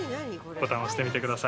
◆ボタン押してみてください。